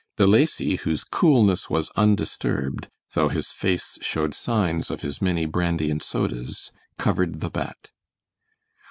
De Lacy, whose coolness was undisturbed, though his face showed signs of his many brandy and sodas, covered the bet.